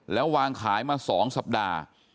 แล้ววางขายมา๒สัปดาห์